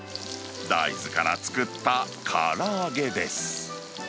大豆から作ったから揚げです。